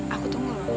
aku tunggu dulu